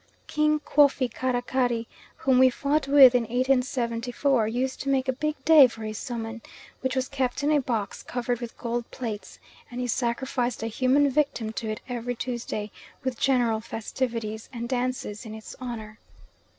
King Kwoffi Karri Kari, whom we fought with in 1874, used to make a big day for his suhman, which was kept in a box covered with gold plates, and he sacrificed a human victim to it every Tuesday, with general festivities and dances in its honour.